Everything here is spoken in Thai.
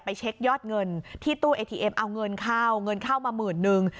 เช็คยอดเงินที่ตู้เอทีเอ็มเอาเงินเข้าเงินเข้ามาหมื่นนึง